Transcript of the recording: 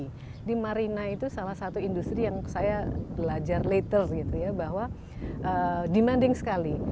jadi marina itu salah satu industri yang saya belajar later gitu ya bahwa demanding sekali